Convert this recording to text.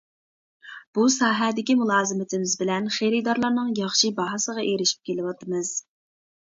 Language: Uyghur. بۇ ساھەدىكى مۇلازىمىتىمىز بىلەن خېرىدارلارنىڭ ياخشى باھاسىغا ئېرىشىپ كېلىۋاتىمىز.